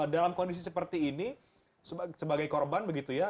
dalam kondisi seperti ini sebagai korban begitu ya